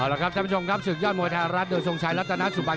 แล้วครับท่านผู้ชมครับศึกยอดมวยไทยรัฐโดยทรงชัยรัฐนาสุบัน